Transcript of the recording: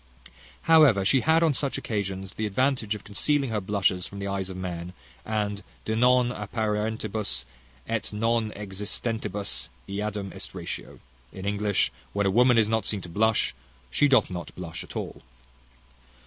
However, she had, on such occasions, the advantage of concealing her blushes from the eyes of men; and De non apparentibus, et non existentibus eadem est ratio in English, "When a woman is not seen to blush, she doth not blush at all."